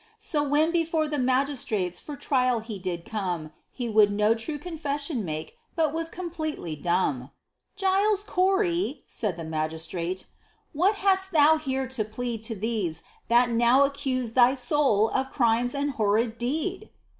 So when before the magistrates For triall he did come, He would no true confession make, But was compleatlie dumbe. "Giles Corey," said the Magistrate, "What hast thou heare to pleade To these that now accuse thy soule Of crimes and horrid deed?"